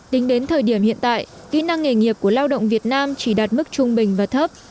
tính đến thời điểm hiện tại kỹ năng nghề nghiệp của lao động việt nam chỉ đạt mức trung bình và thấp